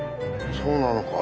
そうなのか。